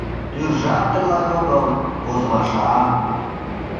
Тӱржат тыглай огыл, возымашан.